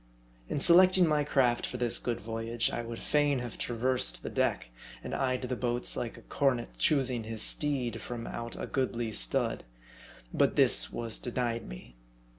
In selecting my craft for this good voyage, I would fain have traversed the deck, and eyed the boats like a cornet choosing his steed from out a goodly stud. But this was denied me.